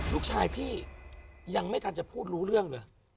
พี่ยังไม่ทันจะพูดรู้เรื่องเลย